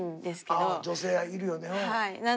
女性いるよねうん。